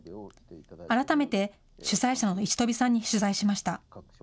改めて主催者の石飛さんに取材しました。